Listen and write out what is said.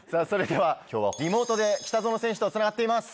今日はリモートで北園選手とつながっています。